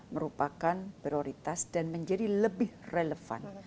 merupakan prioritas dan menjadi lebih relevan